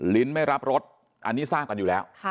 ไม่รับรสอันนี้ทราบกันอยู่แล้ว